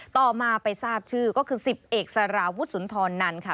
ต่อมาไปทราบชื่อก็คือ๑๐เอกสารวุฒิสุนทรนันค่ะ